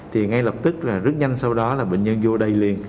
thì ngay lập tức là rất nhanh sau đó là bệnh nhân vô đây liền